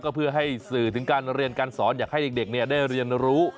ก็เพื่อให้สื่อถึงการเรียนการสอนอยากให้เด็กได้เรียนรู้